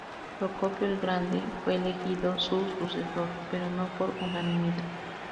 Procopio el Grande fue elegido su sucesor, pero no por unanimidad.